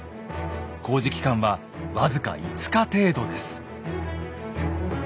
工事期間は僅か５日程度です。